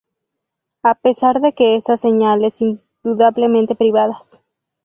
A pesar de que esas señales indudablemente privadas